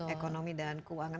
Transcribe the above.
ekonomi dan keuangan